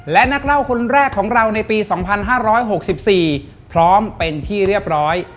และนักเล่าคนแรกของเราในปี๒๕๖๔พร้อมเป็นที่เรียบร้อย